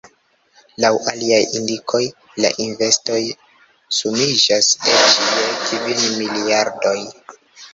Laŭ aliaj indikoj la investoj sumiĝas eĉ je kvin miliardoj.